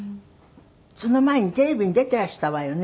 その前にテレビに出ていらしたわよね？